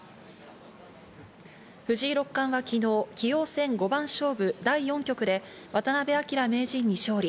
藤井六冠は昨日、棋王戦五番勝負第４局で渡辺明名人に勝利。